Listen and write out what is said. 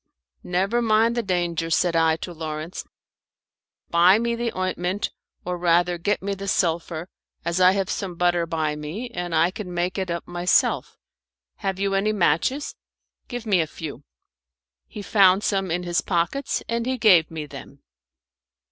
"Never mind the danger," said I to Lawrence; "buy me the ointment, or rather get me the sulphur, as I have some butter by me, and I can make it up myself. Have you any matches? Give me a few." He found some in his pockets, and he gave me them.